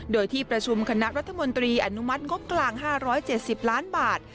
โดยที่ประชุมคณะรัฐมนตรีอนุมัติงบกลาง๕๗๐ล้านบาท